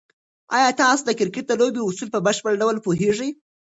آیا تاسو د کرکټ د لوبې اصول په بشپړ ډول پوهېږئ؟